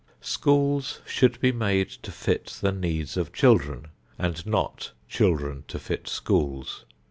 Schools should be made to fit the needs of children, and not children to fit schools.